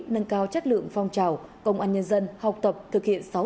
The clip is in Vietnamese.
nâng cao chất lượng phong trào công an nhân dân học tập thực hiện sáu năm